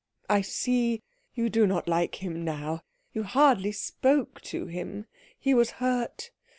I see you do not like him now. You hardly spoke to him. He was hurt.